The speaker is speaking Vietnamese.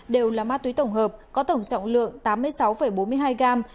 đều là ma túy tổng hợp có tổng trọng lượng tám mươi sáu bốn mươi hai g